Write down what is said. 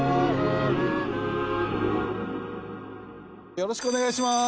よろしくお願いします！